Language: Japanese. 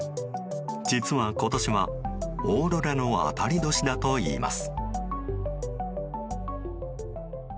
実は今年は、オーロラの当たり年だといいます。